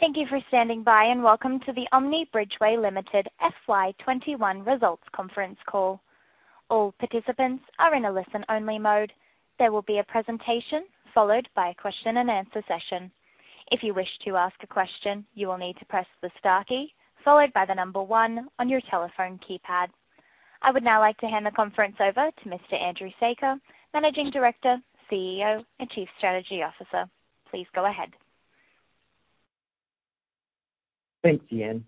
Thank you for standing by. Welcome to the Omni Bridgeway Limited FY 2021 results conference call. All participants are in a listen-only mode. There will be a presentation followed by a question and answer session. If you wish to ask a question, you will need to press the star key followed by the one on your telephone keypad. I would now like to hand the conference over to Mr. Andrew Saker, Managing Director, CEO, and Chief Strategy Officer. Please go ahead. Thanks, Yan.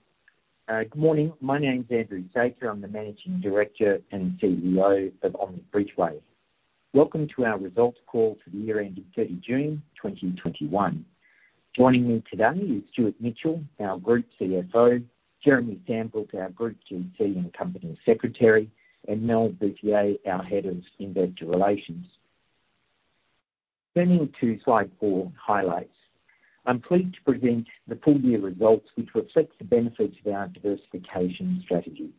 Good morning. My name is Andrew Saker. I'm the Managing Director and CEO of Omni Bridgeway. Welcome to our results call for the year ending 30 June 2021. Joining me today is Stuart Mitchell, our group CFO, Jeremy Sambrook, our group GC and Company Secretary, and Mel Buffier, our Head of Investor Relations. Turning to slide four, highlights. I'm pleased to present the full year results which reflect the benefits of our diversification strategy.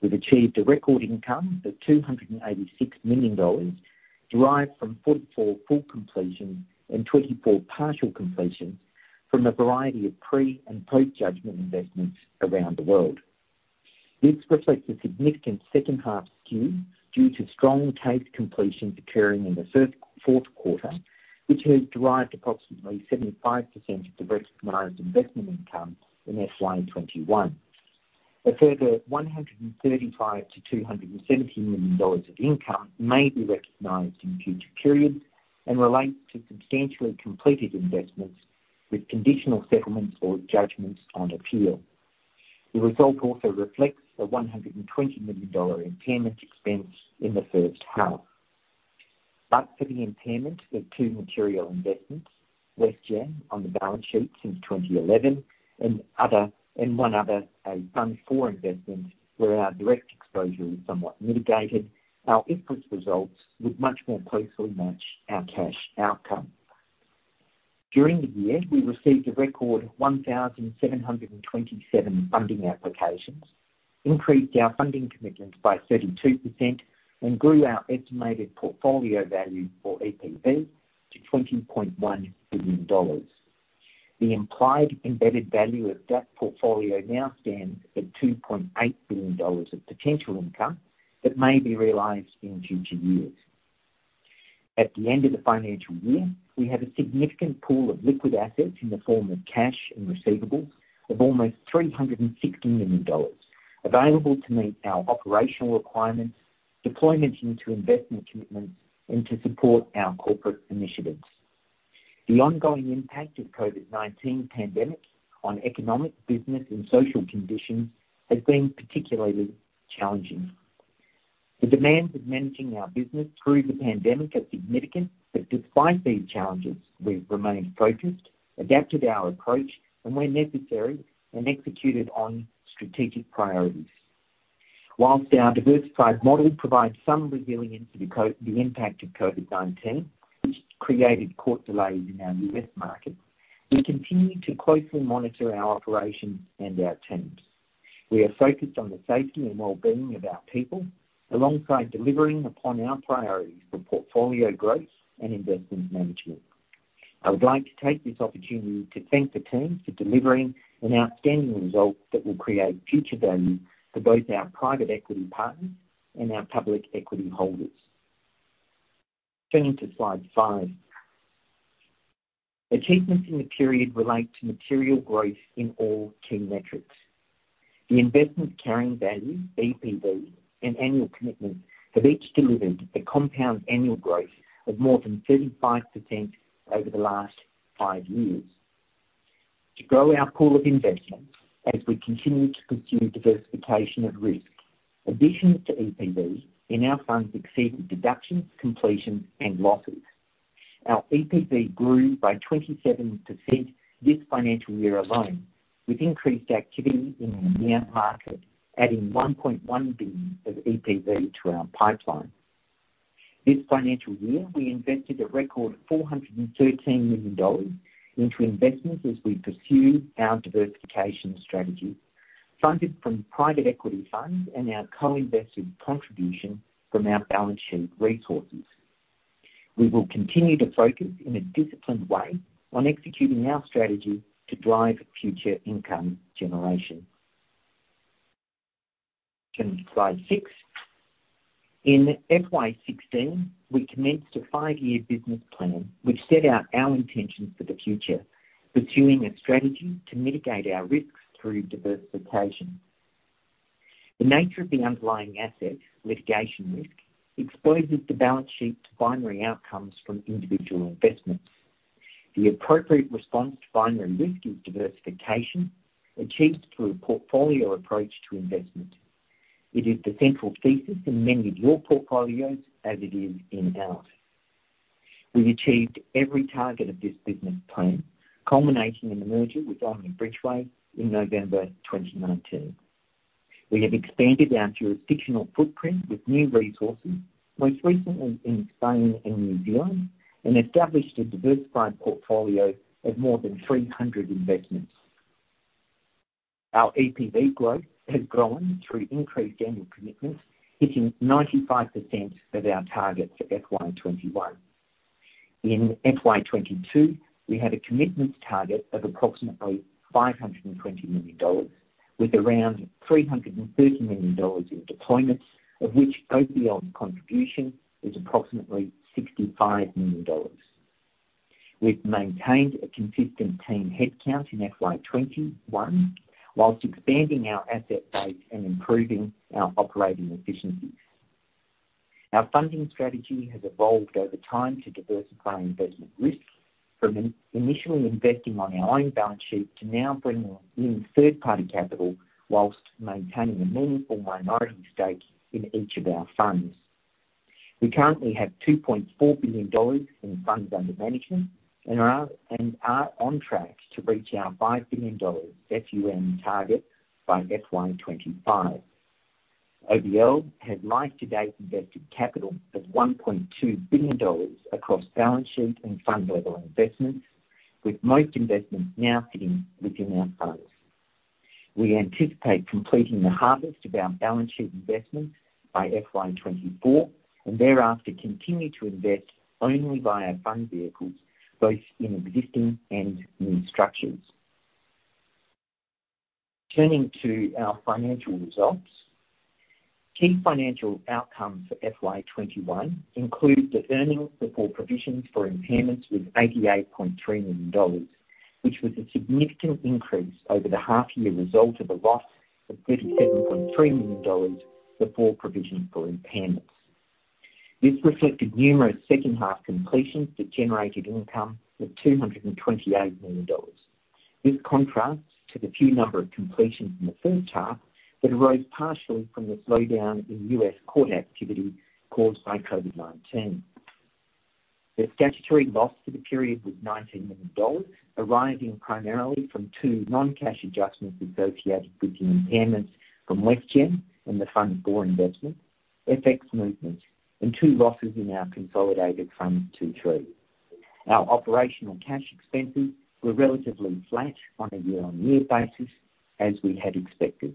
We've achieved a record income of 286 million dollars, derived from 44 full completions and 24 partial completions from a variety of pre- and post-judgment investments around the world. This reflects a significant second half skew due to strong case completions occurring in the fourth quarter, which has derived approximately 75% of the recognized investment income in FY 2021. A further 135 million-270 million dollars of income may be recognized in future periods and relate to substantially completed investments with conditional settlements or judgments on appeal. The result also reflects the 120 million dollar impairment expense in the first half. For the impairment of two material investments, Westgem, on the balance sheet since 2011, and one other, a Fund 4 investment where our direct exposure is somewhat mitigated, our IFRS results would much more closely match our cash outcome. During the year, we received a record of 1,727 funding applications, increased our funding commitments by 32%, and grew our estimated portfolio value, or EPV, to 20.1 billion dollars. The implied embedded value of that portfolio now stands at 2.8 billion dollars of potential income that may be realized in future years. At the end of the financial year, we have a significant pool of liquid assets in the form of cash and receivables of almost 360 million dollars available to meet our operational requirements, deployment into investment commitments, and to support our corporate initiatives. The ongoing impact of COVID-19 pandemic on economic, business, and social conditions has been particularly challenging. The demands of managing our business through the pandemic are significant, but despite these challenges, we've remained focused, adapted our approach, and where necessary, and executed on strategic priorities. Whilst our diversified model provides some resilience to the impact of COVID-19, which created court delays in our US market, we continue to closely monitor our operations and our teams. We are focused on the safety and wellbeing of our people, alongside delivering upon our priorities for portfolio growth and investment management. I would like to take this opportunity to thank the team for delivering an outstanding result that will create future value for both our private equity partners and our public equity holders. Turning to slide five. Achievements in the period relate to material growth in all key metrics. The investment carrying value, EPV, and annual commitments have each delivered a compound annual growth of more than 35% over the last five years. To grow our pool of investments as we continue to pursue diversification of risk, additions to EPV in our funds exceeded deductions, completions, and losses. Our EPV grew by 27% this financial year alone, with increased activity in the EMEA market, adding 1.1 billion of EPV to our pipeline. This financial year, we invested a record 413 million dollars into investments as we pursue our diversification strategy, funded from private equity funds and our co-invested contribution from our balance sheet resources. We will continue to focus in a disciplined way on executing our strategy to drive future income generation. Turning to slide six. In FY 2016, we commenced a five-year business plan which set out our intentions for the future, pursuing a strategy to mitigate our risks through diversification. The nature of the underlying asset, litigation risk, exposes the balance sheet to binary outcomes from individual investments. The appropriate response to binary risk is diversification, achieved through a portfolio approach to investment. It is the central thesis in many of your portfolios as it is in ours. We've achieved every target of this business plan, culminating in the merger with Omni Bridgeway in November 2019. We have expanded our jurisdictional footprint with new resources, most recently in Spain and New Zealand, and established a diversified portfolio of more than 300 investments. Our EPV growth has grown through increased annual commitments, hitting 95% of our target for FY 2021. In FY 2022, we had a commitments target of approximately 520 million dollars, with around 330 million dollars in deployments, of which OBL contribution is approximately 65 million dollars. We've maintained a consistent team headcount in FY 2021 while expanding our asset base and improving our operating efficiencies. Our funding strategy has evolved over time to diversify investment risks from initially investing on our own balance sheet to now bringing in third-party capital while maintaining a meaningful minority stake in each of our funds. We currently have 2.4 billion dollars in fund under management and are on track to reach our 5 billion dollars FUM target by FY 2025. OBL has, year to date, invested capital of 1.2 billion dollars across balance sheet and fund-level investments, with most investments now sitting within our funds. We anticipate completing the harvest of our balance sheet investments by FY 2024, and thereafter continue to invest only via fund vehicles, both in existing and new structures. Turning to our financial results. Key financial outcomes for FY 2021 include that earnings before provisions for impairments was AUD 88.3 million, which was a significant increase over the half year result of a loss of AUD 37.3 million before provisions for impairments. This reflected numerous second half completions that generated income of 228 million dollars. This contrasts to the few number of completions in the first half that arose partially from the slowdown in U.S. court activity caused by COVID-19. The statutory loss for the period was 19 million dollars, arising primarily from two non-cash adjustments associated with the impairments from Westgem and the Fund 4 investment, FX movements, and two losses in our consolidated Fund 2, 3. Our operational cash expenses were relatively flat on a year-on-year basis as we had expected.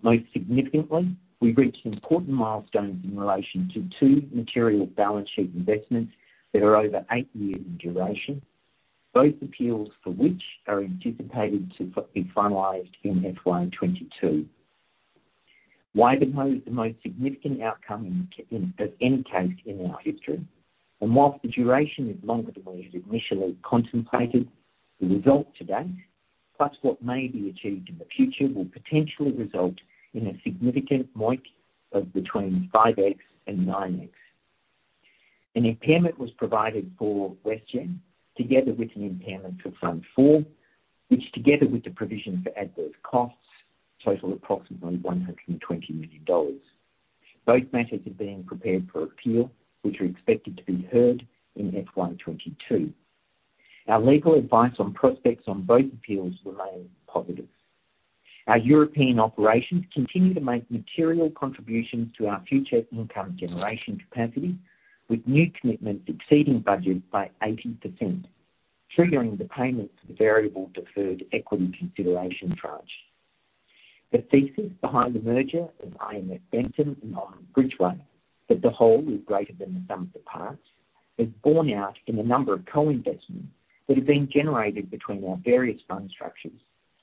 Most significantly, we reached important milestones in relation to two material balance sheet investments that are over eight years in duration, both appeals for which are anticipated to be finalized in FY 2022. Wivenhoe is the most significant outcome of any case in our history, and whilst the duration is longer than we had initially contemplated, the result to date, plus what may be achieved in the future, will potentially result in a significant MOIC of between 5x and 9x. An impairment was provided for Westgem together with an impairment for Fund 4, which together with the provision for adverse costs, total approximately 120 million dollars. Both matters are being prepared for appeal, which are expected to be heard in FY 2022. Our legal advice on prospects on both appeals remain positive. Our European operations continue to make material contributions to our future income generation capacity, with new commitments exceeding budget by 80%, triggering the payment of the variable deferred equity consideration tranche. The thesis behind the merger of IMF Bentham and Omni Bridgeway, that the whole is greater than the sum of the parts, is borne out in the number of co-investments that have been generated between our various fund structures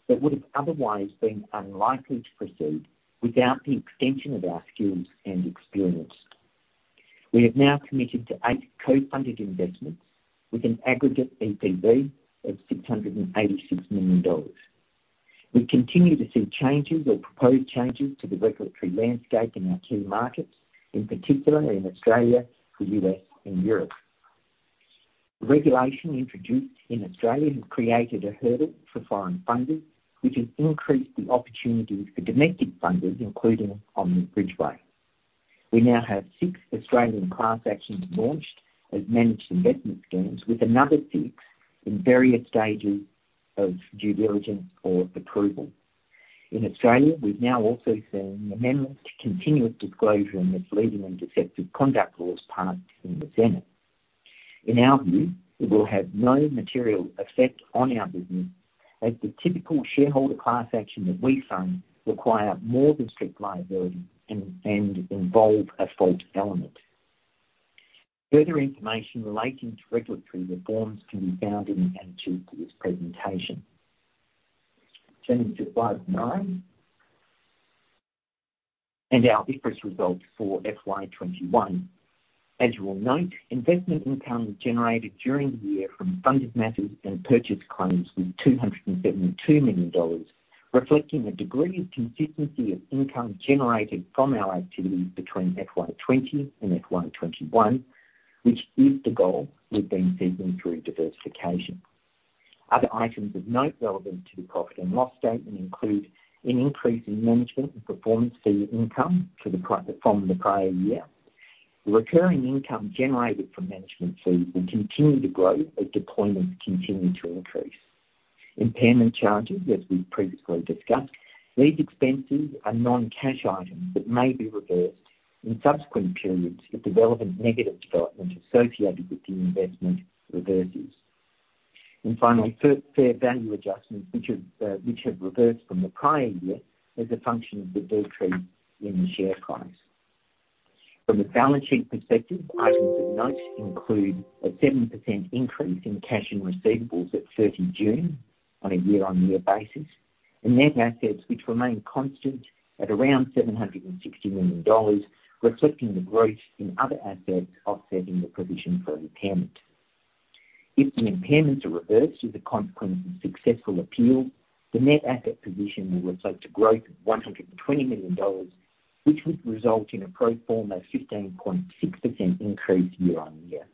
that would have otherwise been unlikely to proceed without the extension of our skills and experience. We have now committed to eight co-funded investments with an aggregate EPV of 686 million dollars. We continue to see changes or proposed changes to the regulatory landscape in our key markets, in particular in Australia, the U.S., and Europe. Regulation introduced in Australia has created a hurdle for foreign funders, which has increased the opportunities for domestic funders, including Omni Bridgeway. We now have six Australian class actions launched as managed investment schemes with another six in various stages of due diligence or approval. In Australia, we've now also seen amendments to continuous disclosure and misleading and deceptive conduct laws passed in the Senate. In our view, it will have no material effect on our business, as the typical shareholder class action that we fund require more than strict liability and involve a fault element. Further information relating to regulatory reforms can be found in the annexure to this presentation. Turning to slide nine, our IFRS results for FY 2021. As you will note, investment income generated during the year from funded matters and purchased claims was 272 million dollars, reflecting a degree of consistency of income generated from our activities between FY 2020 and FY 2021, which is the goal we've been seeking through diversification. Other items of note relevant to the profit and loss statement include an increase in management and performance fee income from the prior year. The recurring income generated from management fees will continue to grow as deployments continue to increase. Impairment charges, as we've previously discussed, these expenses are non-cash items that may be reversed in subsequent periods, the negative development associated with the investment reverses. Finally, fair value adjustments, which have reversed from the prior year as a function of the decrease in the share price. From a balance sheet perspective, items of note include a 7% increase in cash and receivables at 30 June on a year-on-year basis, and net assets which remain constant at around 760 million dollars, reflecting the growth in other assets offsetting the provision for impairment. If the impairments are reversed as a consequence of successful appeals, the net asset position will reflect a growth of 120 million dollars, which would result in a pro forma 15.6% increase year-on-year.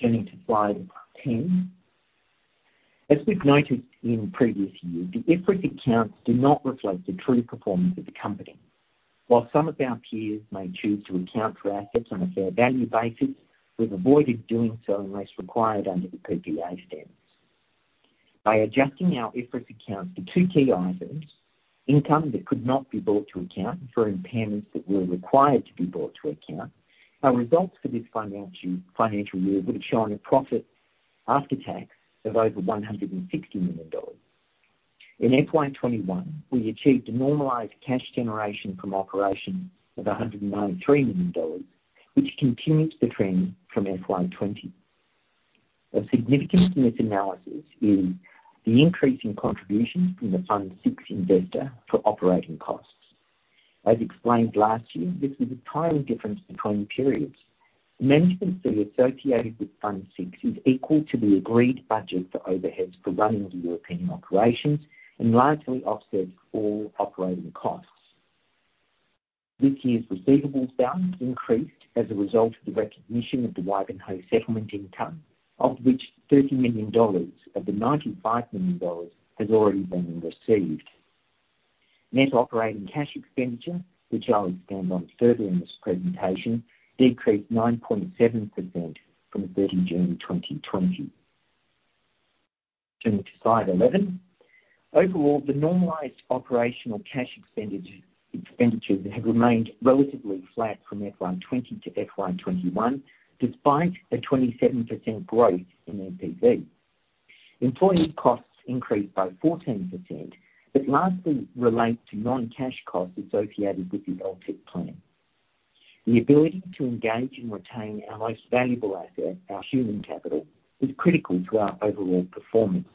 Turning to slide 10. As we've noted in previous years, the IFRS accounts do not reflect the true performance of the company. While some of our peers may choose to account for assets on a fair value basis, we've avoided doing so unless required under the PPA standards. By adjusting our IFRS accounts for two key items, income that could not be brought to account and for impairments that were required to be brought to account, our results for this financial year would have shown a profit after tax of over AUD 160 million. In FY 2021, we achieved a normalized cash generation from operation of 193 million dollars, which continues the trend from FY 2020. Of significance in this analysis is the increase in contributions from the Fund 6 investor for operating costs. As explained last year, this is a timing difference between periods. The management fee associated with Fund 6 is equal to the agreed budget for overheads for running the European operations and largely offsets all operating costs. This year's receivables balance increased as a result of the recognition of the Wivenhoe settlement income, of which 30 million dollars of the 95 million dollars has already been received. Net operating cash expenditure, which I'll expand on further in this presentation, decreased 9.7% from 30 June 2020. Turning to slide 11. Overall, the normalized operational cash expenditures have remained relatively flat from FY 2020 to FY 2021, despite a 27% growth in EPV. Employee costs increased by 14%, but largely relate to non-cash costs associated with the LTIP plan. The ability to engage and retain our most valuable asset, our human capital, is critical to our overall performance.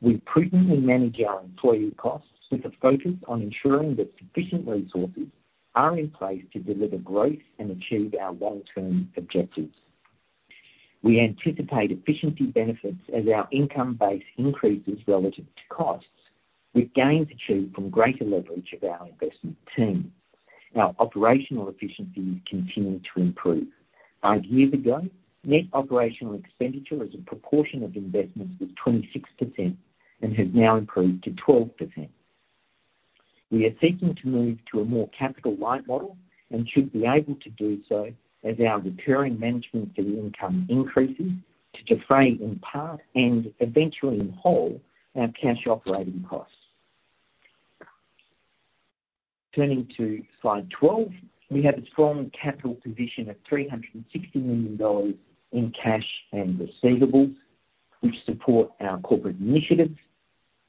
We prudently manage our employee costs with a focus on ensuring that sufficient resources are in place to deliver growth and achieve our long-term objectives. We anticipate efficiency benefits as our income base increases relative to costs, with gains achieved from greater leverage of our investment team. Our operational efficiencies continue to improve. Five years ago, net operational expenditure as a proportion of investments was 26% and has now improved to 12%. We are seeking to move to a more capital-light model and should be able to do so as our recurring management fee income increases to defray in part and eventually in whole our cash operating costs. Turning to slide 12. We have a strong capital position of 360 million dollars in cash and receivables, which support our corporate initiatives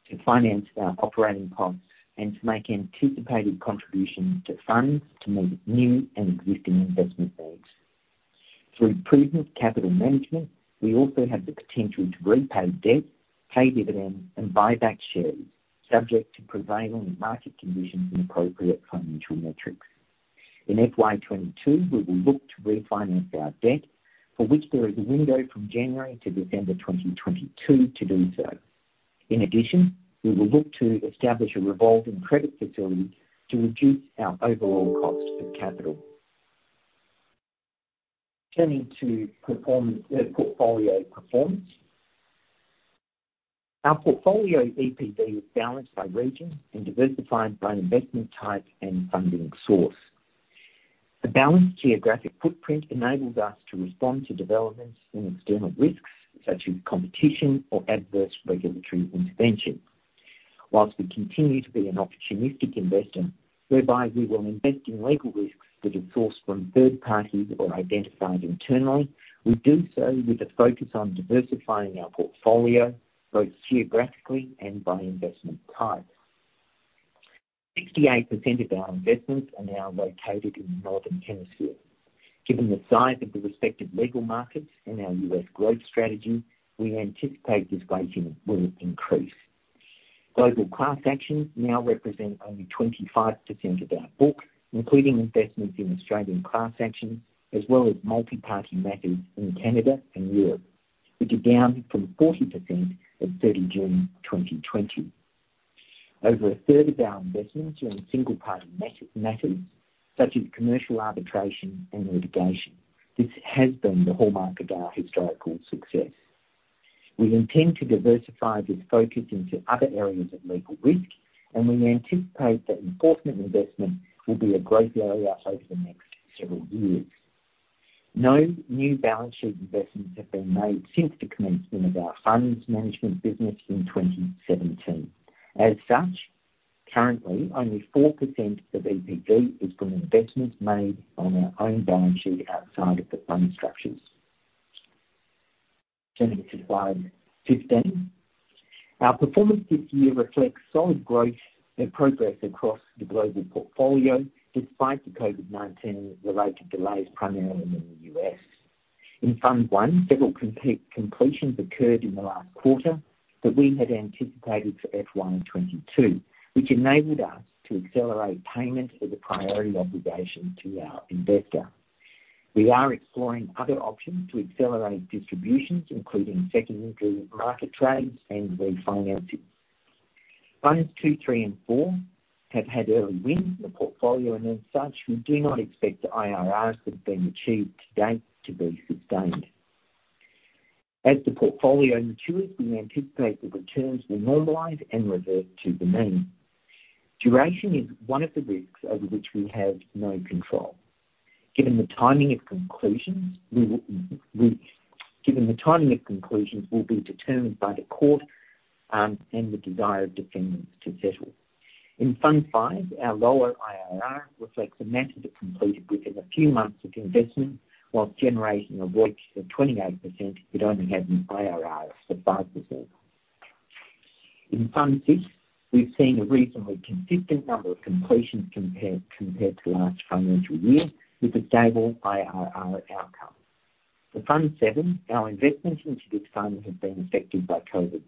to finance our operating costs and to make anticipated contributions to funds to meet new and existing investment needs. Through prudent capital management, we also have the potential to repay debt, pay dividends, and buy back shares, subject to prevailing market conditions and appropriate financial metrics. In FY 2022, we will look to refinance our debt, for which there is a window from January to December 2022 to do so. We will look to establish a revolving credit facility to reduce our overall cost of capital. Turning to portfolio performance. Our portfolio EPV is balanced by region and diversified by investment type and funding source. The balanced geographic footprint enables us to respond to developments in external risks, such as competition or adverse regulatory intervention. Whilst we continue to be an opportunistic investor, whereby we will invest in legal risks that are sourced from third parties or identified internally, we do so with a focus on diversifying our portfolio, both geographically and by investment type. 68% of our investments are now located in the northern hemisphere. Given the size of the respective legal markets and our U.S. growth strategy, we anticipate this weighting will increase. Global class actions now represent only 25% of our book, including investments in Australian class actions, as well as multi-party matters in Canada and Europe, which are down from 40% at 30 June 2020. Over a third of our investments are in single-party matters, such as commercial arbitration and litigation. This has been the hallmark of our historical success. We intend to diversify this focus into other areas of legal risk, and we anticipate that enforcement investment will be a growth area over the next several years. No new balance sheet investments have been made since the commencement of our funds management business in 2017. As such, currently, only 4% of EPV is from investments made on our own balance sheet outside of the fund structures. Turning to slide 15. Our performance this year reflects solid growth and progress across the global portfolio, despite the COVID-19 related delays primarily in the U.S. In Fund 1, several completions occurred in the last quarter that we had anticipated for FY 2022, which enabled us to accelerate payment of the priority obligation to our investor. We are exploring other options to accelerate distributions, including secondary market trades and refinances. Funds 2, 3, and 4 have had early wins in the portfolio, and as such, we do not expect the IRRs that have been achieved to date to be sustained. As the portfolio matures, we anticipate the returns will normalize and revert to the mean. Duration is one of the risks over which we have no control. Given the timing of conclusions will be determined by the court and the desired defendants to settle. In Fund 5, our lower IRR reflects the matters are completed within a few months of investment, whilst generating a ROIC of 28%, it only has an IRR of 5%. In Fund 6, we've seen a reasonably consistent number of completions compared to last financial year with a stable IRR outcome. For Fund 7, our investments into this fund have been affected by COVID,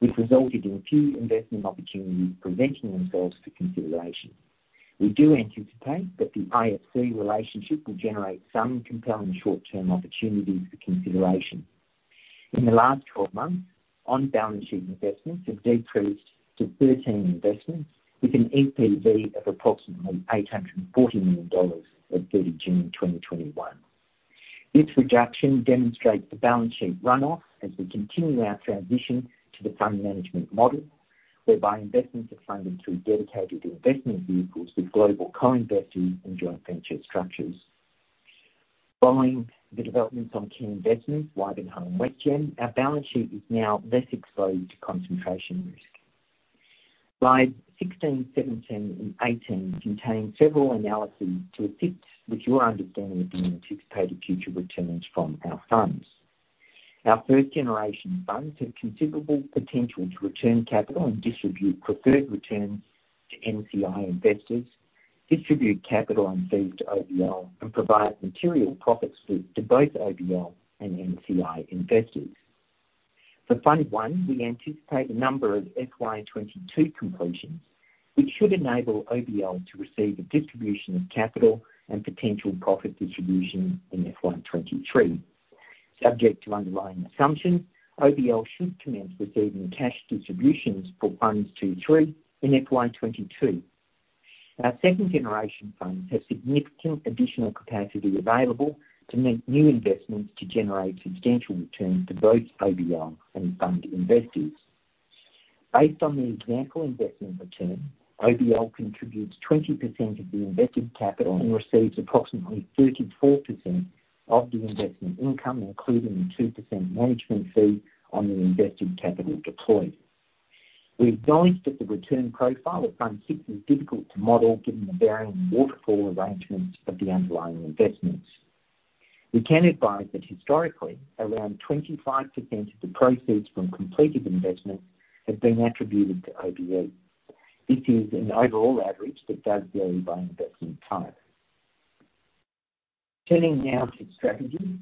which resulted in few investment opportunities presenting themselves for consideration. We do anticipate that the IFC relationship will generate some compelling short-term opportunities for consideration. In the last 12 months, on-balance-sheet investments have decreased to 13 investments with an EPV of approximately 840 million dollars as of 30 June 2021. This reduction demonstrates the balance sheet runoff as we continue our transition to the fund management model, whereby investments are funded through dedicated investment vehicles with global co-investing and joint venture structures. Following the developments on key investments, Wivenhoe and Westgem, our balance sheet is now less exposed to concentration risk. Slides 16, 17, and 18 contain several analyses to assist with your understanding of the anticipated future returns from our funds. Our 1st generation funds have considerable potential to return capital and distribute preferred returns to NCI investors, distribute capital and fees to OBL, and provide material profits to both OBL and NCI investors. For Fund 1, we anticipate a number of FY 2022 completions, which should enable OBL to receive a distribution of capital and potential profit distribution in FY 2023. Subject to underlying assumptions, OBL should commence receiving cash distributions for Funds 2, 3 in FY 2022. Our 2nd generation funds have significant additional capacity available to make new investments to generate substantial returns for both OBL and fund investors. Based on the example investment return, OBL contributes 20% of the invested capital and receives approximately 34% of the investment income, including the 2% management fee on the invested capital deployed. We acknowledge that the return profile of Fund 6 is difficult to model, given the varying waterfall arrangements of the underlying investments. We can advise that historically, around 25% of the proceeds from completed investments have been attributed to OBL. This is an overall average that does vary by investment type. Turning now to strategy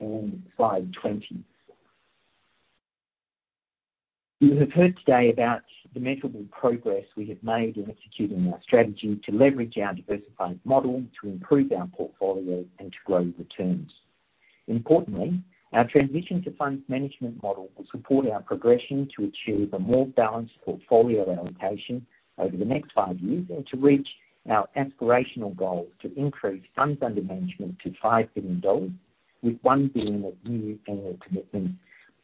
on slide 20. You have heard today about the measurable progress we have made in executing our strategy to leverage our diversified model to improve our portfolio and to grow returns. Importantly, our transition to funds management model will support our progression to achieve a more balanced portfolio allocation over the next five years and to reach our aspirational goal to increase funds under management to 5 billion dollars, with 1 billion of new annual commitments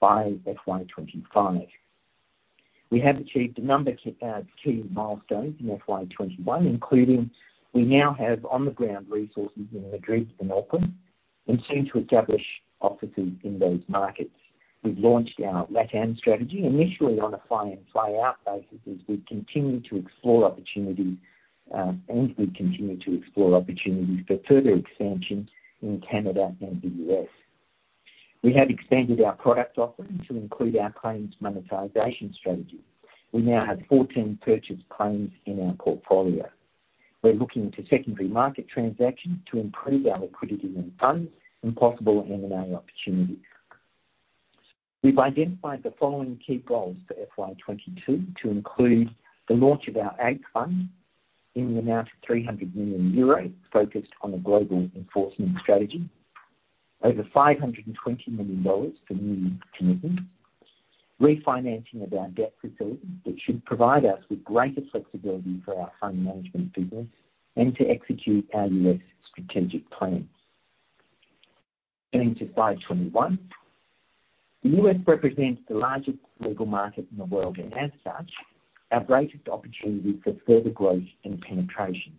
by FY 2025. We have achieved a number of key milestones in FY 2021, including we now have on-the-ground resources in Madrid and Auckland, and soon to establish offices in those markets. We've launched our LatAm strategy, initially on a fly-in, fly-out basis as we continue to explore opportunities, and we continue to explore opportunities for further expansion in Canada and the U.S. We have expanded our product offering to include our claims monetization strategy. We now have 14 purchased claims in our portfolio. We're looking to secondary market transactions to improve our liquidity in funds and possible M&A opportunities. We've identified the following key goals for FY 2022 to include the launch of our AG fund in the amount of 300 million euros, focused on a global enforcement strategy. Over 520 million dollars for new commitments. Refinancing of our debt facilities, which should provide us with greater flexibility for our fund management business and to execute our U.S. strategic plans. Turning to slide 21. The U.S. represents the largest legal market in the world, as such, our greatest opportunity for further growth and penetration.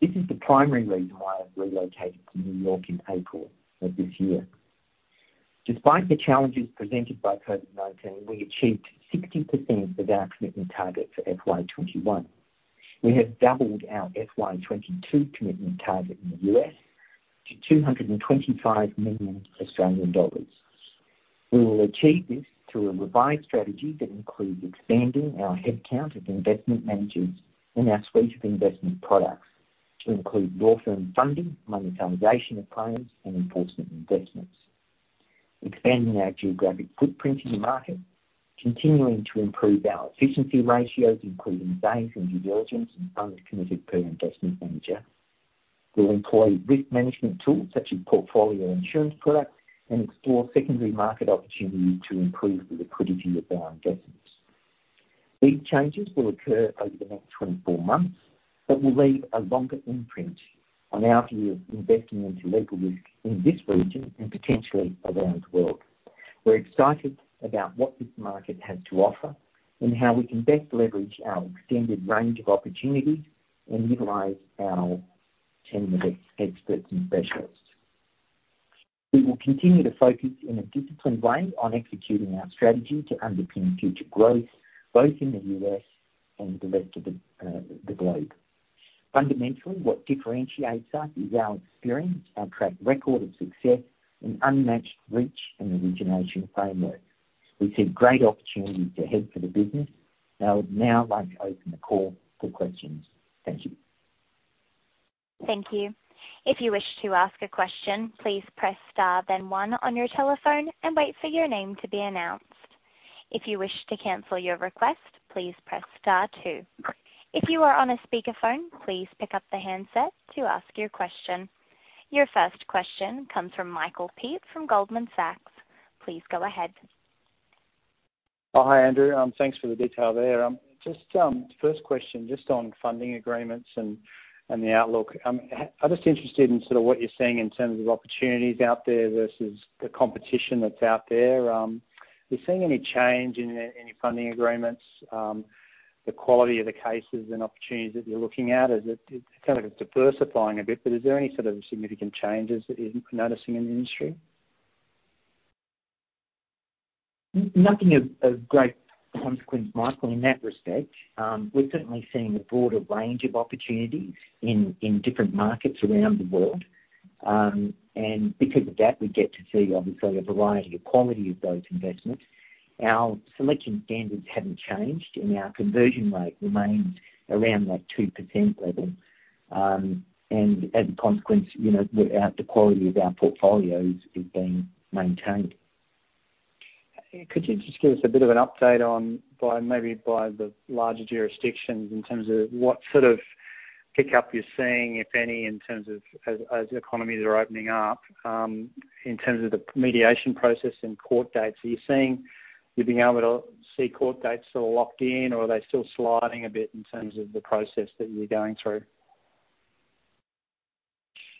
This is the primary reason why I've relocated to New York in April of this year. Despite the challenges presented by COVID-19, we achieved 60% of our commitment target for FY 2021. We have doubled our FY 2022 commitment target in the U.S. to 225 million Australian dollars. We will achieve this through a revised strategy that includes expanding our headcount of investment managers and our suite of investment products to include law firm funding, monetization of claims, and enforcement investments. Expanding our geographic footprint in the market, continuing to improve our efficiency ratios, including gains and due diligence and funds committed per investment manager. We'll employ risk management tools such as portfolio insurance products and explore secondary market opportunities to improve the liquidity of our investments. These changes will occur over the next 24 months will leave a longer imprint on our view of investing into legal risk in this region and potentially around the world. We're excited about what this market has to offer and how we can best leverage our extended range of opportunities and utilize our team of experts and specialists. We will continue to focus in a disciplined way on executing our strategy to underpin future growth, both in the U.S. and the rest of the globe. Fundamentally, what differentiates us is our experience, our track record of success, and unmatched reach and origination framework. We see great opportunities ahead for the business, and I would now like to open the call for questions. Thank you. Thank you. Your first question comes from Michael Peet from Goldman Sachs. Please go ahead. Hi, Andrew. Thanks for the detail there. First question, just on funding agreements and the outlook. I'm just interested in what you're seeing in terms of opportunities out there versus the competition that's out there. Are you seeing any change in your funding agreements, the quality of the cases and opportunities that you're looking at? It sounds like it's diversifying a bit. Is there any sort of significant changes that you're noticing in the industry? Nothing of great consequence, Michael, in that respect. We're certainly seeing a broader range of opportunities in different markets around the world. Because of that, we get to see, obviously, a variety of quality of those investments. Our selection standards haven't changed, and our conversion rate remains around that 2% level. As a consequence, the quality of our portfolios is being maintained. Could you just give us a bit of an update on, maybe by the larger jurisdictions, in terms of what sort of pickup you're seeing, if any, in terms of as economies are opening up, in terms of the mediation process and court dates? Are you being able to see court dates that are locked in or are they still sliding a bit in terms of the process that you're going through?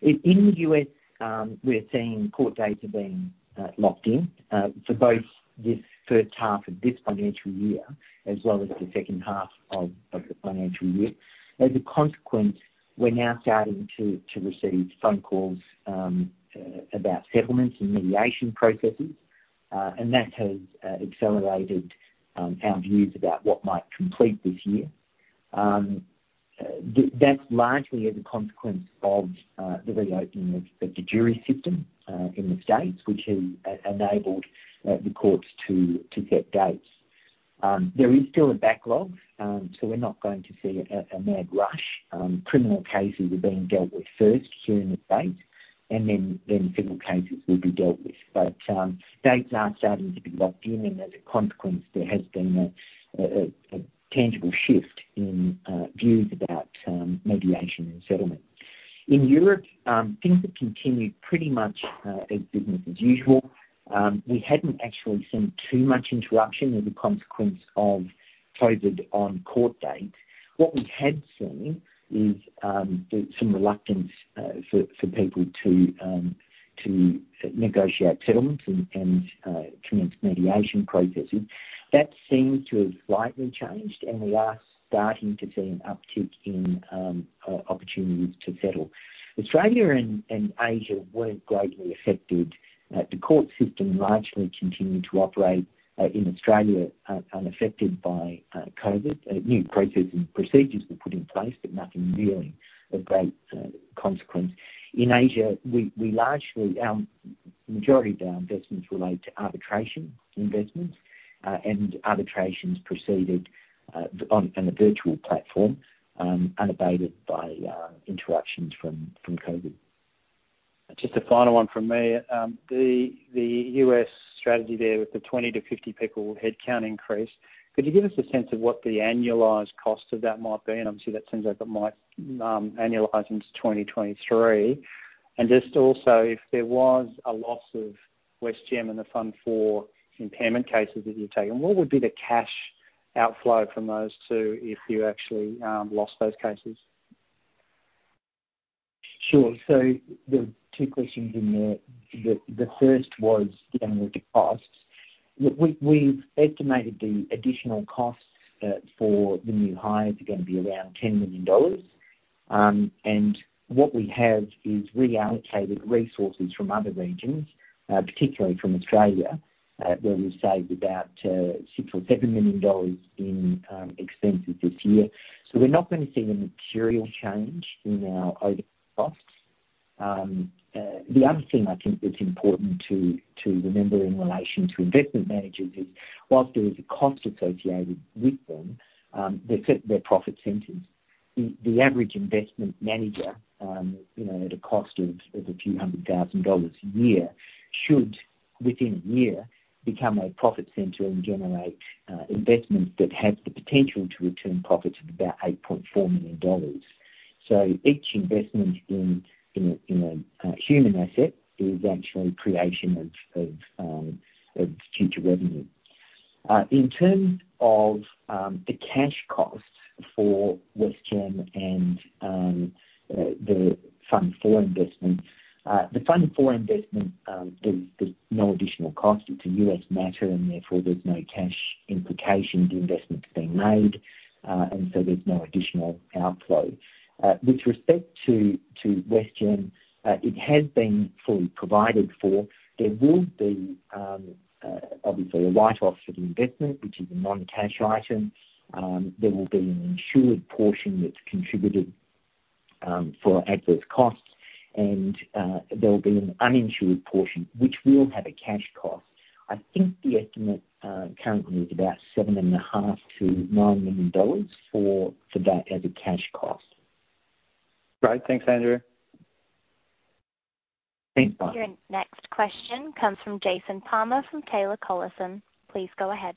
In the U.S., we're seeing court dates are being locked in, for both this first half of this financial year as well as the second half of the financial year. That has accelerated our views about what might complete this year. That's largely as a consequence of the reopening of the jury system in the States, which has enabled the courts to set dates. There is still a backlog, so we're not going to see a mad rush. Criminal cases are being dealt with first here in the States, and then civil cases will be dealt with. Dates are starting to be locked in, and as a consequence, there has been a tangible shift in views about mediation and settlement. In Europe, things have continued pretty much as business as usual. We hadn't actually seen too much interruption as a consequence of COVID on court dates. What we had seen is some reluctance for people to negotiate settlements and commence mediation processes. That seems to have slightly changed, and we are starting to see an uptick in opportunities to settle. Australia and Asia weren't greatly affected. The court system largely continued to operate in Australia unaffected by COVID. New processes and procedures were put in place, but nothing really of great consequence. In Asia, the majority of our investments relate to arbitration investments, and arbitrations proceeded on a virtual platform, unabated by interruptions from COVID. Just a final one from me. The U.S. strategy there with the 20 to 50 people headcount increase, could you give us a sense of what the annualized cost of that might be? Obviously, that seems like it might annualize into 2023. Just also, if there was a loss of Westgem and the fund for impairment cases that you've taken, what would be the cash outflow from those two if you actually lost those cases? Sure. There were two questions in there. The first was dealing with the costs. We've estimated the additional costs for the new hires are going to be around 10 million dollars. What we have is reallocated resources from other regions, particularly from Australia, where we've saved about 6 million or 7 million dollars in expenses this year. We're not going to see a material change in our overhead costs. The other thing I think that's important to remember in relation to investment managers is whilst there is a cost associated with them, they're profit centers. The average investment manager, at a cost of a few hundred thousand dollars a year, should, within a year, become a profit center and generate investments that have the potential to return profits of about 8.4 million dollars. Each investment in a human asset is actually creation of future revenue. In terms of the cash costs for Westgem and the Fund 4 investment. The Fund 4 investment, there's no additional cost. It's a U.S. matter, therefore there's no cash implications, the investment's been made. There's no additional outflow. With respect to Westgem, it has been fully provided for. There will be, obviously, a write-off for the investment, which is a non-cash item. There will be an insured portion that's contributed, for adverse costs, and there will be an uninsured portion, which will have a cash cost. I think the estimate currently is about 7.5 million-9 million dollars for that as a cash cost. Great. Thanks, Andrew. Thanks, Michael Peet. Your next question comes from Jason Palmer from Taylor Collison. Please go ahead.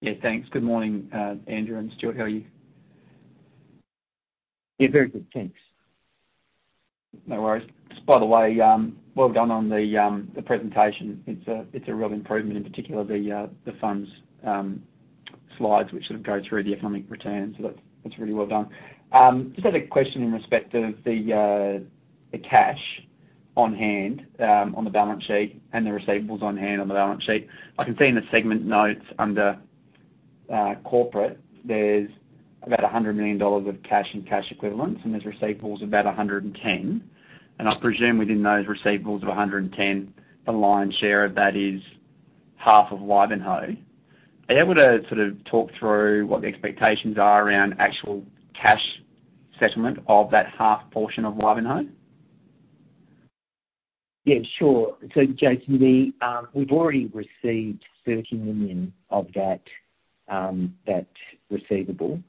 Yeah, thanks. Good morning, Andrew and Stuart. How are you? Yeah, very good. Thanks. No worries. Just by the way, well done on the presentation. It's a real improvement, in particular the fund's slides, which sort of go through the economic returns. That's really well done. Just had a question in respect of the cash on hand on the balance sheet and the receivables on hand on the balance sheet. I can see in the segment notes under corporate, there's about 100 million dollars of cash and cash equivalents. There's receivables of about 110. I presume within those receivables of 110, the lion's share of that is half of Wivenhoe. Are you able to sort of talk through what the expectations are around actual cash settlement of that half portion of Wivenhoe? Yeah, sure. Jason, we've already received 13 million of that receivable.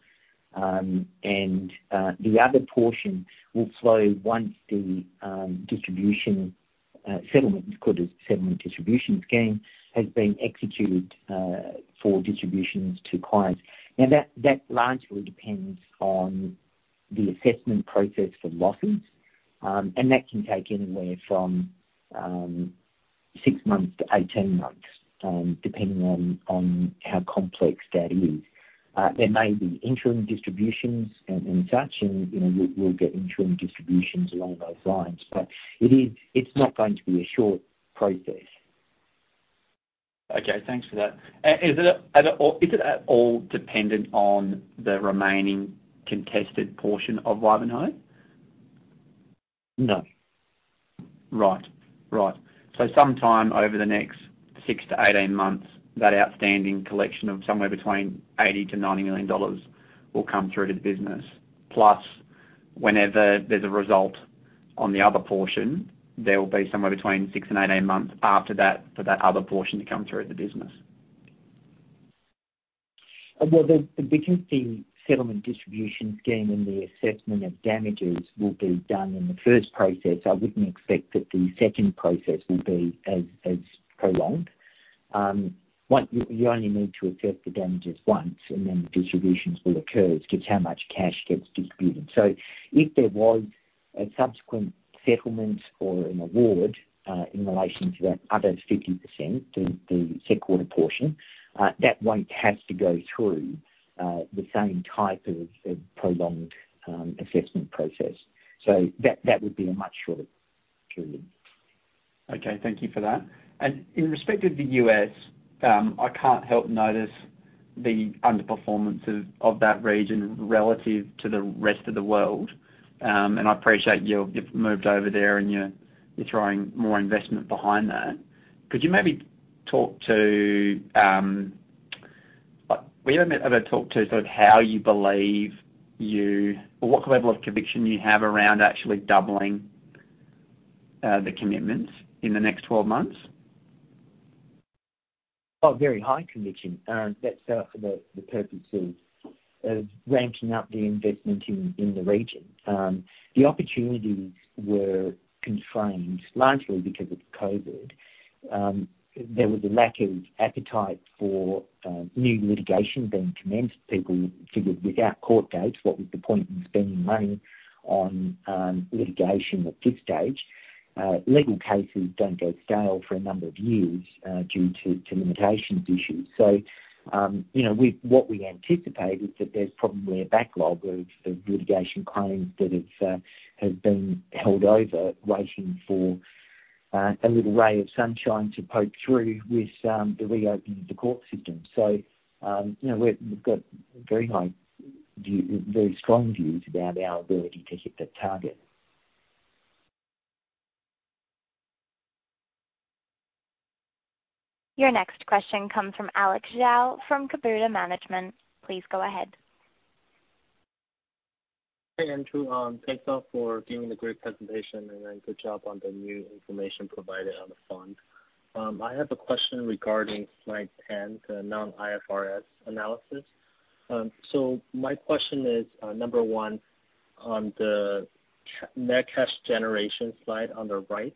The other portion will flow once the distribution settlement, it's called a settlement distribution scheme, has been executed for distributions to clients. Now, that largely depends on the assessment process for losses. That can take anywhere from 6 months to 18 months, depending on how complex that is. There may be interim distributions and such, we'll get interim distributions along those lines. It's not going to be a short process. Okay, thanks for that. Is it at all dependent on the remaining contested portion of Wivenhoe? No. Right. Sometime over the next 6 to 18 months, that outstanding collection of somewhere between 80 million-90 million dollars will come through to the business. Plus, whenever there's a result on the other portion, there will be somewhere between 6 and 18 months after that for that other portion to come through to the business. Well, because the settlement distribution scheme and the assessment of damages will be done in the first process, I wouldn't expect that the second process will be as prolonged. You only need to assess the damages once, and then the distributions will occur as to how much cash gets distributed. If there was a subsequent settlement or an award, in relation to that other 50%, the Seqwater portion, that won't have to go through the same type of prolonged assessment process. That would be a much shorter period. Okay, thank you for that. In respect of the U.S., I can't help notice the underperformance of that region relative to the rest of the world. I appreciate you've moved over there and you're throwing more investment behind that. Could you maybe talk to what level of conviction you have around actually doubling the commitments in the next 12 months? Oh, very high conviction. That's for the purpose of ranking up the investment in the region. The opportunities were constrained largely because of COVID. There was a lack of appetite for new litigation being commenced. People figured without court dates, what was the point in spending money on litigation at this stage? Legal cases don't go to scale for a number of years due to limitations issues. What we anticipate is that there's probably a backlog of litigation claims that has been held over, waiting for a little ray of sunshine to poke through with the reopening of the court system. We've got very strong views about our ability to hit that target. Your next question comes from Alex Zhao from Kabouter Management. Please go ahead. Hey, Andrew. Thanks a lot for giving a great presentation and good job on the new information provided on the fund. I have a question regarding slide 10, the non-IFRS analysis. My question is, number one, on the net cash generation slide on the right,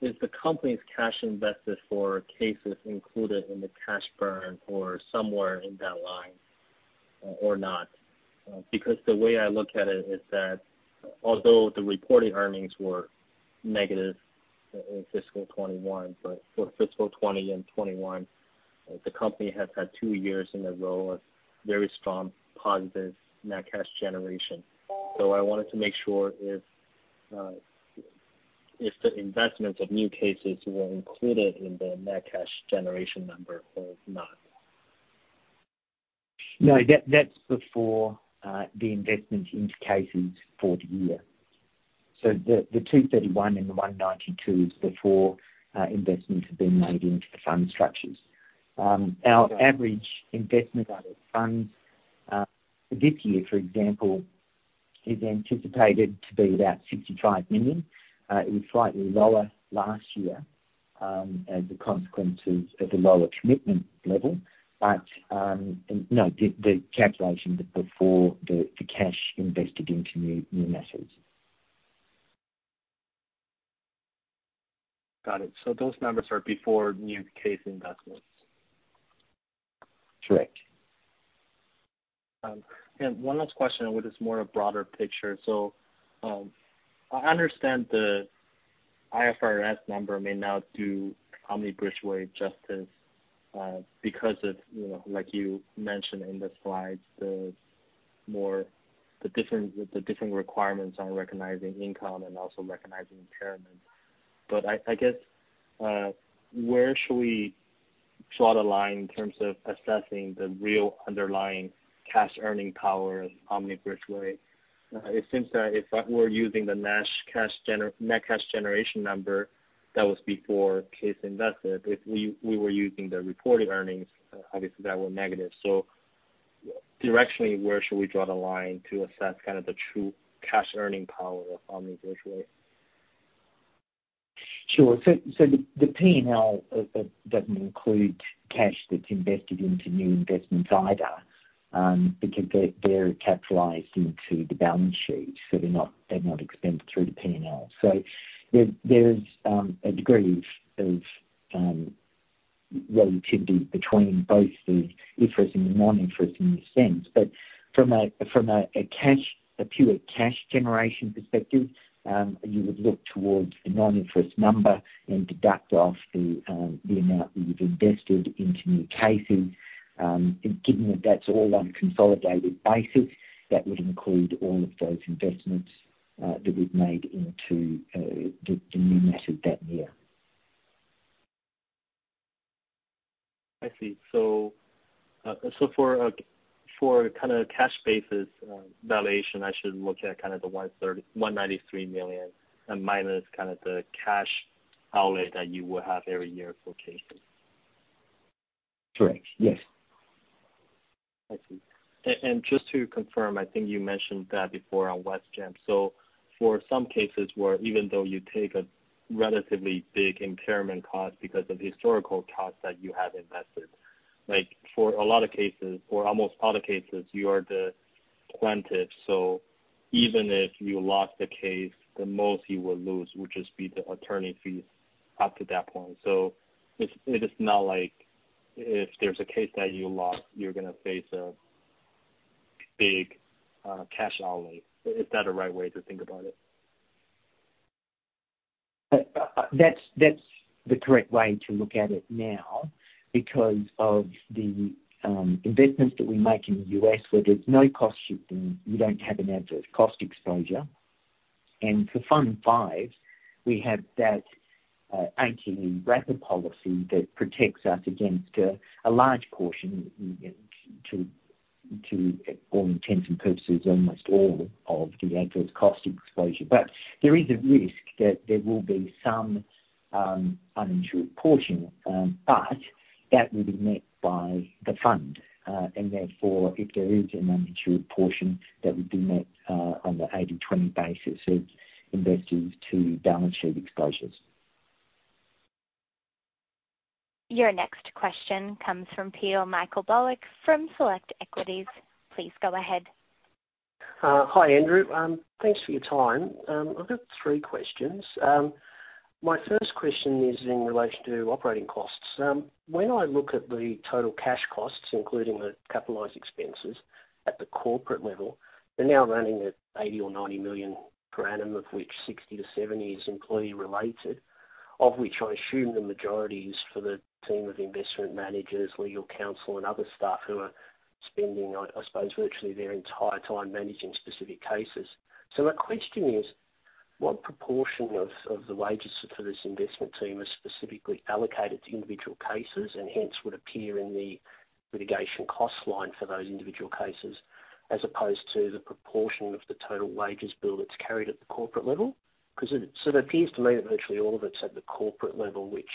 is the company's cash invested for cases included in the cash burn or somewhere in that line or not? The way I look at it is that although the reported earnings were negative in fiscal 2021, but for fiscal 2020 and 2021, the company has had two years in a row of very strong positive net cash generation. I wanted to make sure if the investments of new cases were included in the net cash generation number or not. No. That's before the investment into cases for the year. The 231 and the 192 is before investments have been made into the fund structures. Our average investment out of funds, for this year, for example, is anticipated to be about 65 million. It was slightly lower last year, as a consequence of the lower commitment level. No, the calculation before the cash invested into new matters. Got it. Those numbers are before new case investments? Correct. One last question, which is more a broader picture. I understand the IFRS number may not do Omni Bridgeway justice because of, like you mentioned in the slides, the different requirements on recognizing income and also recognizing impairment. I guess, where should we draw the line in terms of assessing the real underlying cash earning power of Omni Bridgeway? It seems that if we're using the net cash generation number, that was before case invested. If we were using the reported earnings, obviously that were negative. Directionally, where should we draw the line to assess kind of the true cash earning power of Omni Bridgeway? Sure. The P&L doesn't include cash that's invested into new investments either, because they're capitalized into the balance sheet. They're not expensed through the P&L. There is a degree of relativity between both the IFRS and the non-IFRS in this sense. From a pure cash generation perspective, you would look towards the non-IFRS number and deduct off the amount that you've invested into new cases. Given that that's all on a consolidated basis, that would include all of those investments that we've made into the new matters that year. I see. For cash basis valuation, I should look at the 193 million and minus the cash outlay that you will have every year for cases. Correct. Yes. I see. Just to confirm, I think you mentioned that before on Westgem. For some cases where even though you take a relatively big impairment cost because of the historical costs that you have invested, like for a lot of cases, for almost all the cases, you are the plaintiff, so even if you lost the case, the most you will lose would just be the attorney fees up to that point. It is not like if there's a case that you lost, you're gonna face a big cash outlay. Is that a right way to think about it? That's the correct way to look at it now because of the investments that we make in the U.S., where there's no cost shifting, you don't have an adverse cost exposure. For Fund 5, we have that ATE wrapper policy that protects us against a large portion to all intents and purposes, almost all of the adverse cost exposure. There is a risk that there will be some uninsured portion, but that will be met by the fund. If there is an uninsured portion, that would be met on the 80/20 basis of investors to balance sheet exposures. Your next question comes from Peter Meichelboeck from Select Equities. Please go ahead. Hi, Andrew. Thanks for your time. I've got three questions. My first question is in relation to operating costs. When I look at the total cash costs, including the capitalized expenses at the corporate level, they're now running at 80 million or 90 million per annum, of which 60 million to 70 million is employee-related, of which I assume the majority is for the team of investment managers, legal counsel, and other staff who are spending, I suppose, virtually their entire time managing specific cases. My question is, what proportion of the wages for this investment team is specifically allocated to individual cases and hence would appear in the litigation cost line for those individual cases, as opposed to the proportion of the total wages bill that's carried at the corporate level? It appears to me that virtually all of it's at the corporate level, which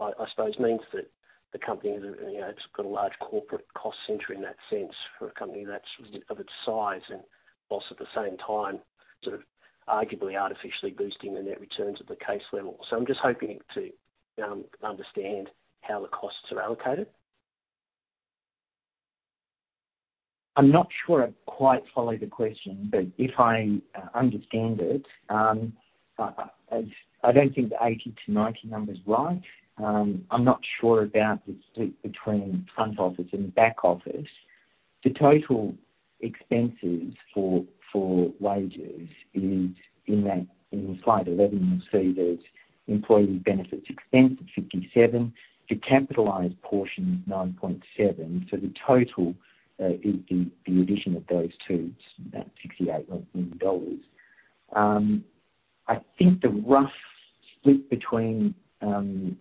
I suppose means that the company has got a large corporate cost center in that sense for a company of its size and also at the same time, arguably artificially boosting the net returns at the case level. I'm just hoping to understand how the costs are allocated. I'm not sure I quite follow the question, but if I understand it, I don't think the 80-90 number's right. I'm not sure about the split between front office and back office. The total expenses for wages is in slide 11, you'll see there's employee benefits expense of 57. The capitalized portion is 9.7, so the total, the addition of those two, is about 68 million dollars. I think the rough split between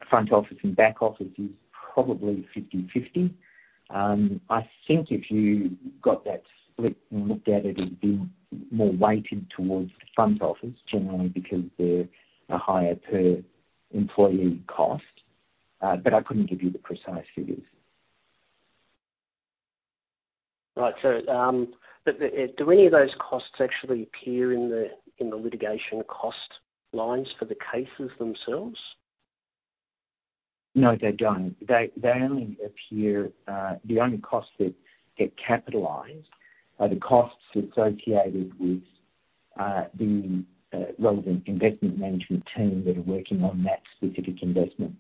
front office and back office is probably 50/50. I think if you got that split and looked at it'd be more weighted towards the front office generally because they're a higher per employee cost. I couldn't give you the precise figures. Right. Do any of those costs actually appear in the litigation cost lines for the cases themselves? No, they don't. The only costs that get capitalized are the costs associated with the relevant investment management team that are working on that specific investment.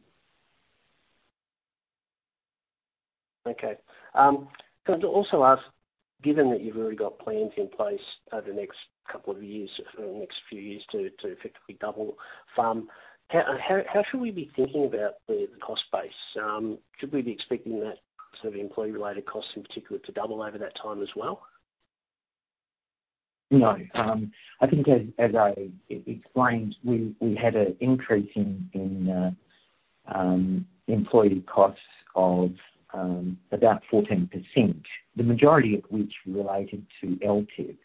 Okay. Can I also ask, given that you've already got plans in place over the next few years to effectively double FUM, how should we be thinking about the cost base? Should we be expecting that employee-related costs in particular to double over that time as well? No. I think as I explained, we had an increase in employee costs of about 14%, the majority of which related to LTIP.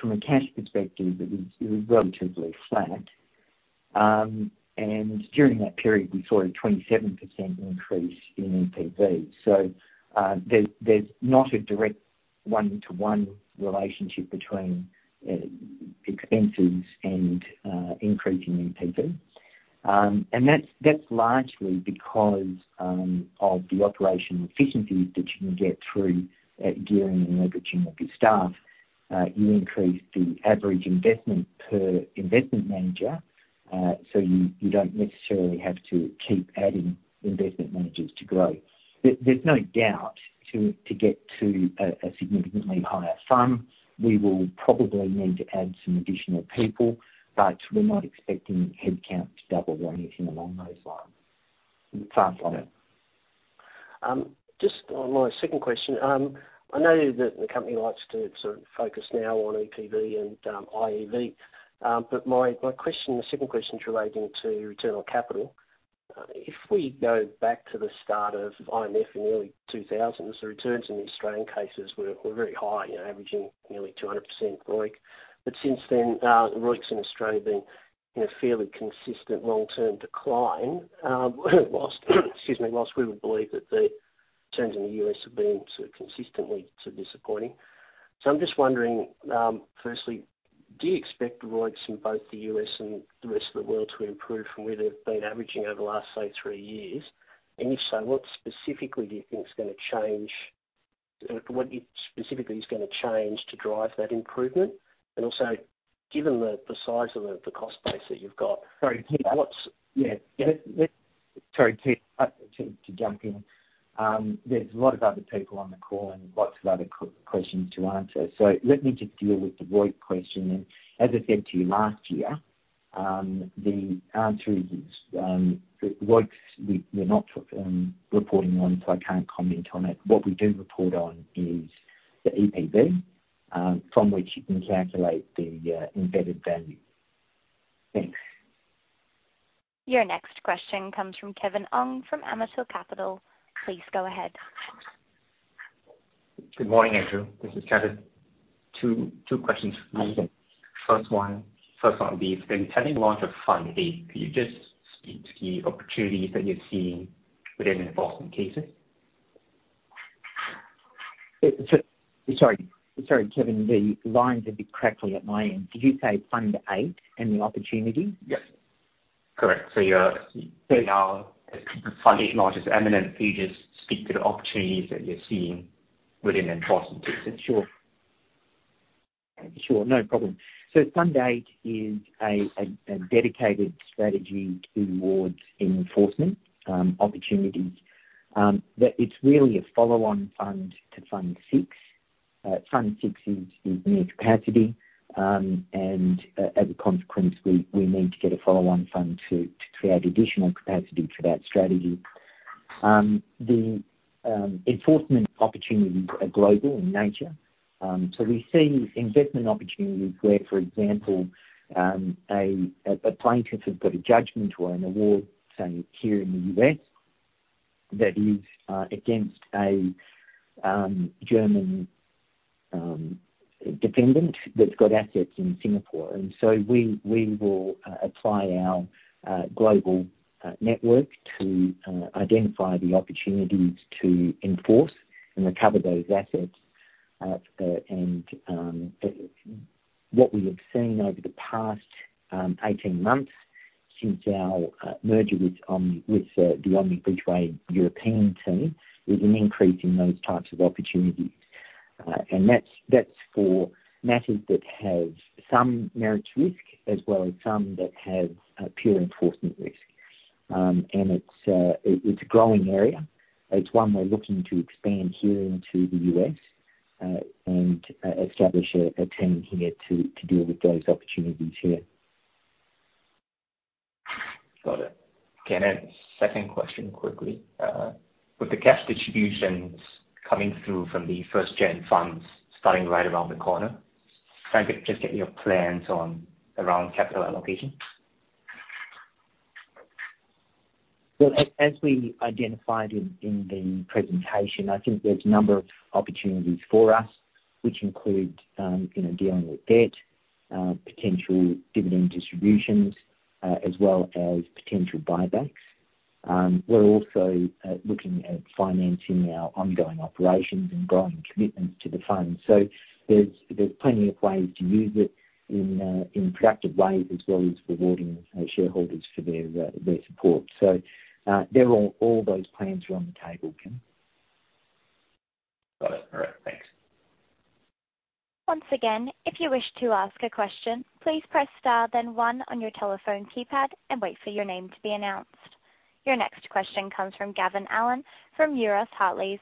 From a cash perspective, it was relatively flat. During that period, we saw a 27% increase in EPV. There's not a direct one-to-one relationship between expenses and increase in EPV. That's largely because of the operational efficiencies that you can get through gearing and leveraging of your staff. You increase the average investment per investment manager, so you don't necessarily have to keep adding investment managers to grow. There's no doubt, to get to a significantly higher FUM, we will probably need to add some additional people, but we're not expecting headcount to double or anything along those lines. Far from it. Just on my second question, I know that the company likes to focus now on EPV and IEV, but my second question is relating to return on capital. If we go back to the start of IMF in the early 2000s, the returns in the Australian cases were very high, averaging nearly 200% ROIC. Since then, the ROICs in Australia have been in a fairly consistent long-term decline, while we would believe that the returns in the U.S. have been consistently disappointing. I'm just wondering, firstly, do you expect ROICs in both the U.S. and the rest of the world to improve from where they've been averaging over the last, say, three years? If so, what specifically do you think is going to change to drive that improvement? Also, given the size of the cost base that you've got- Sorry, Pete. Yeah. Sorry, Pete, to jump in. There's a lot of other people on the call and lots of other questions to answer. Let me just deal with the ROIC question. As I said to you last year, the answer is, ROICs, we're not reporting on, so I can't comment on it. What we do report on is the EPV, from which you can calculate the embedded value. Thanks. Your next question comes from Kevin Ong from Amitell Capital. Please go ahead. Good morning, Andrew. This is Kevin. Two questions. First one, since having the launch of Fund 8, could you just speak to the opportunities that you're seeing within enforcement cases? Sorry, Kevin. The lines are a bit crackly at my end. Did you say Fund 8 and the opportunities? Yes. Correct. You're saying now that Fund 8 launch is imminent. Could you just speak to the opportunities that you're seeing within enforcement cases? Sure, no problem. Fund 8 is a dedicated strategy towards enforcement opportunities. It's really a follow-on fund to Fund 6. Fund 6 is near capacity, and as a consequence, we need to get a follow-on fund to create additional capacity for that strategy. The enforcement opportunities are global in nature. We see investment opportunities where, for example, a plaintiff has got a judgment or an award, say, here in the U.S. that is against a German defendant that's got assets in Singapore. We will apply our global network to identify the opportunities to enforce and recover those assets. What we have seen over the past 18 months since our merger with the Omni Bridgeway European team is an increase in those types of opportunities. That's for matters that have some merits risk, as well as some that have pure enforcement risk. It's a growing area. It's one we're looking to expand here into the U.S., and establish a team here to deal with those opportunities here. Got it. Okay, second question quickly. With the cash distributions coming through from the first-gen funds starting right around the corner, can I just get your plans around capital allocation? Well, as we identified in the presentation, I think there's a number of opportunities for us, which include dealing with debt, potential dividend distributions, as well as potential buybacks. We're also looking at financing our ongoing operations and growing commitments to the fund. There's plenty of ways to use it in productive ways, as well as rewarding shareholders for their support. All those plans are on the table, Kev. Got it. All right, thanks. Once again, if you wish to ask a question, please press star then one on your telephone keypad and wait for your name to be announced. Your next question comes from Gavin Allen from Euroz Hartleys.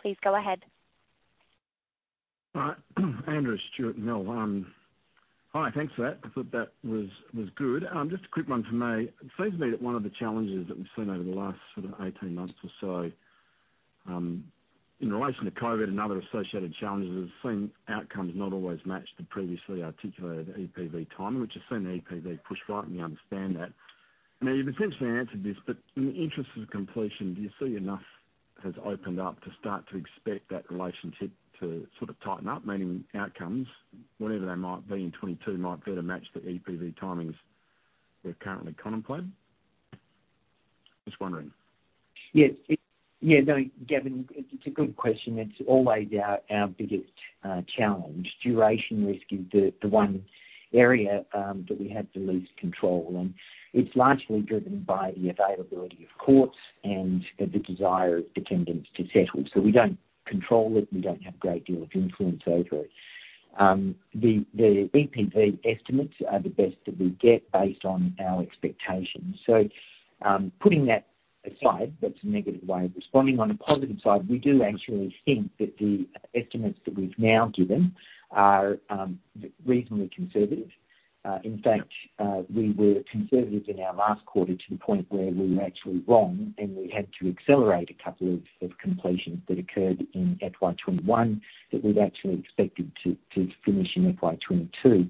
Please go ahead. Andrew, it's Stuart Mitchell. Hi, thanks for that. I thought that was good. Just a quick one from me. It seems to me that one of the challenges that we've seen over the last sort of 18 months or so, in relation to COVID and other associated challenges, we've seen outcomes not always match the previously articulated EPV timing. We've just seen the EPV push, right, and we understand that. You've essentially answered this, but in the interest of completion, do you see enough has opened up to start to expect that relationship to sort of tighten up, meaning outcomes, whatever they might be in 2022, might better match the EPV timings we've currently contemplated? Just wondering. Yes. No, Gavin, it's a good question. It's always our biggest challenge. Duration risk is the one area that we have the least control on. It's largely driven by the availability of courts and the desire of defendants to settle. We don't control it. We don't have a great deal of influence over it. The EPV estimates are the best that we get based on our expectations. Putting that aside, that's a negative way of responding. On a positive side, we do actually think that the estimates that we've now given are reasonably conservative. In fact, we were conservative in our last quarter to the point where we were actually wrong and we had to accelerate a couple of completions that occurred in FY 2021 that we'd actually expected to finish in FY 2022.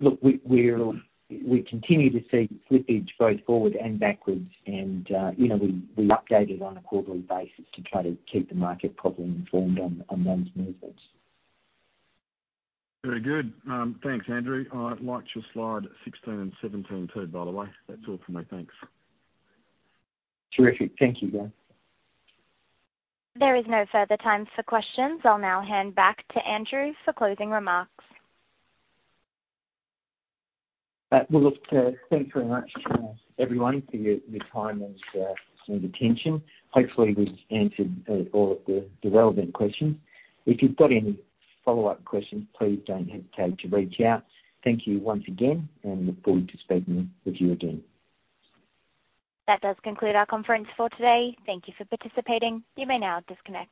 Look, we continue to see slippage both forward and backwards and we update it on a quarterly basis to try to keep the market properly informed on those movements. Very good. Thanks, Andrew. I liked your slide 16 and 17 too, by the way. That's all from me. Thanks. Terrific. Thank you, Gavin. There is no further time for questions. I'll now hand back to Andrew for closing remarks. Thanks very much to everyone for your time and attention. Hopefully, we've answered all of the relevant questions. If you've got any follow-up questions, please don't hesitate to reach out. Thank you once again, and look forward to speaking with you again. That does conclude our conference for today. Thank you for participating. You may now disconnect.